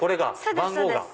番号が。